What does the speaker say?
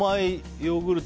ヨーグルト